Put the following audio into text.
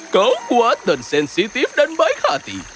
kau kuat dan sensitif dan baik hati